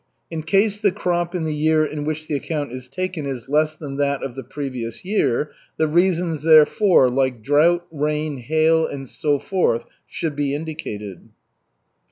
In case the crop in the year in which the account is taken is less than that of the previous year, the reasons therefor, like drought, rain, hail, and so forth, should be indicated.